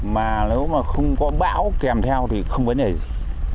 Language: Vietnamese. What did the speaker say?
mà nếu mà không có bão kèm theo thì không vấn đề gì